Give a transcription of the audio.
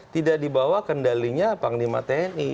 tidak dibawa kendalinya panglima tni